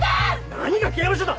何が刑務所だ！